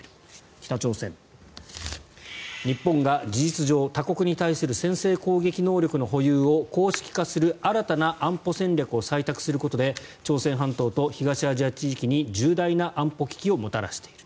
北朝鮮は日本が事実上、他国に対する先制攻撃能力の保有を公式化する新たな安保戦略を採択することで朝鮮半島と東アジア地域に重大な安保危機をもたらしている。